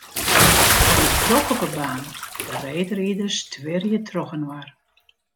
It is drok op 'e baan, de reedriders twirje trochinoar.